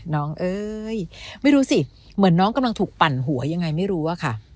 เอ้ยไม่รู้สิเหมือนน้องกำลังถูกปั่นหัวยังไงไม่รู้อะค่ะ